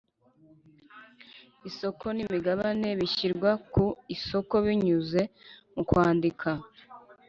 Isoko n’imigabane bishyirwa ku isoko binyuze mu kwandika